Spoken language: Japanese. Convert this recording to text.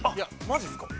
マジっすか？